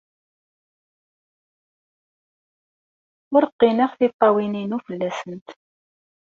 Ur qqineɣ tiṭṭawin-inu fell-asent.